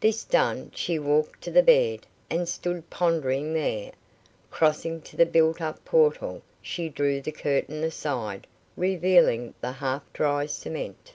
This done, she walked to the bed, and stood pondering there. Crossing to the built up portal, she drew the curtain aside, revealing the half dry cement.